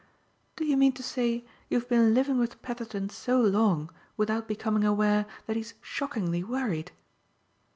"Do you mean to say you've been living with Petherton so long without becoming aware that he's shockingly worried?"